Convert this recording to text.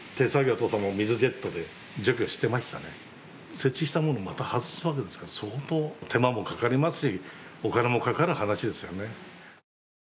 設置したものをまた外すわけですから、相当手間もかかりますし、お金もかかる話ですよね。